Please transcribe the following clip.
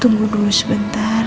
tunggu dulu sebentar